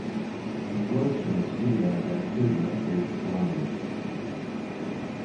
He works from his studio in Vancouver, British Columbia.